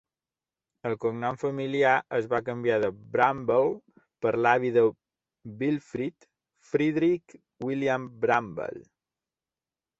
El cognom familiar es va canviar de "Bramble" per l'avi de Wilfrid, Frederick William Brambell.